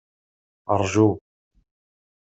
Ṛju.